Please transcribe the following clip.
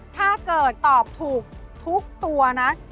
ถ้าเกิดตอบถูกทุกตัวนะ